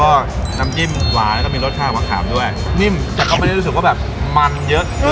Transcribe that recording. แล้วก็น้ำจิ้มหวานทำได้มีรสชาติแบบขาดด้วยนิ่มแต่ก็ไม่ได้รู้สึกว่าแบบมันเยอะเกิน